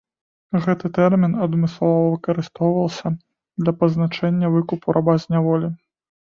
Гэты тэрмін адмыслова выкарыстоўваўся для пазначэння выкупу раба з няволі.